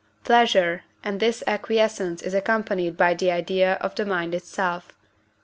pleasure, and this acquiescence is accompanied by the idea of the mind itself (V.